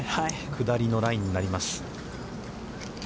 下りのラインになります。